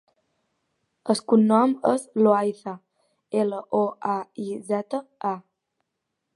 El cognom és Loaiza: ela, o, a, i, zeta, a.